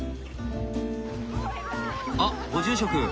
あっご住職！